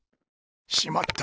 しまった！